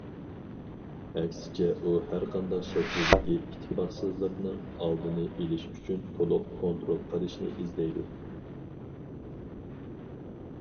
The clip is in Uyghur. ئەكسىچە، ئۇ ھەرقانداق شەكىلدىكى ئىتتىپاقسىزلىقنىڭ ئالدىنى ئېلىش ئۈچۈن تولۇق كونترول قىلىشنى ئىزدەيدۇ.